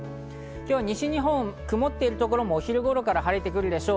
今日、西日本、曇っているところもお昼頃から晴れてくるでしょう。